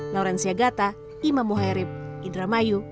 laurencia gata imam muhairib indramayu